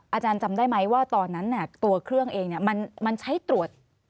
อาจารย์จำได้ไหมว่าตอนนั้นตัวเครื่องเองมันใช้ตรวจ